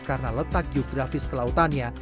karena letak geografis ke lautannya